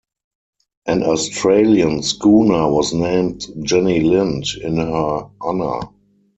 An Australian schooner was named "Jenny Lind" in her honour.